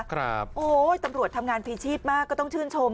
โอ้ยตำรวจทำงานฟรีชีพมากก็ต้องชื่นชม